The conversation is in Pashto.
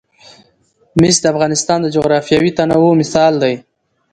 مس د افغانستان د جغرافیوي تنوع مثال دی.